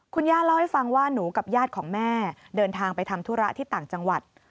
คุณย่าเล่าให้ฟังว่าหนูกับญาติของแม่เดินทางไปทำธุระที่ต่างจังหวัด